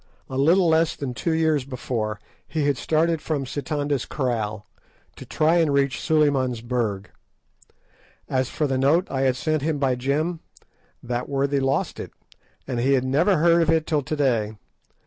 A little less than two years before, he had started from Sitanda's Kraal, to try to reach Suliman's Berg. As for the note I had sent him by Jim, that worthy lost it, and he had never heard of it till to day.